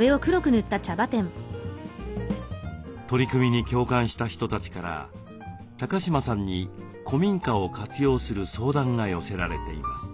取り組みに共感した人たちから高島さんに古民家を活用する相談が寄せられています。